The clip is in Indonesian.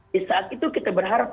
di saat itu kita berharap